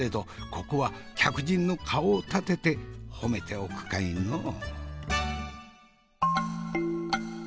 ここは客人の顔を立てて褒めておくかいのう。